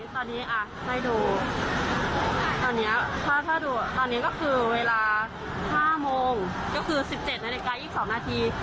ตอนนี้ก็คือเวลา๕โมงก็คือ๑๗ในใกล้อีก๒นาที